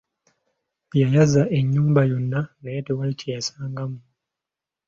Yayaza ennyumba yonna naye tewali kyeyasangamu.